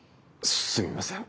すみません。